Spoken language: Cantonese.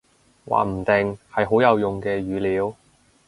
話唔定，係好有用嘅語料